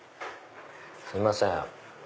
すいません。